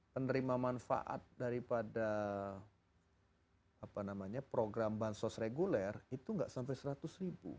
penerima manfaat daripada program bansos reguler itu nggak sampai seratus ribu